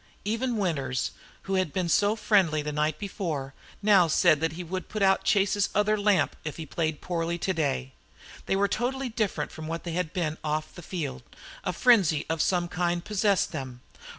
Even Winters, who had been so friendly the night before, now said he would put out Chase's other lamp if he played poorly today. They were totally different from what they had been off the field. A frenzy of some kind possessed them.